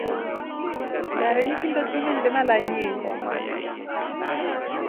Ngareni kindochi kimengilema lanye.